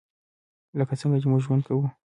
لکه څنګه چې موږ ژوند کوو .